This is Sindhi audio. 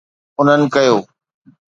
انهن ڪيو.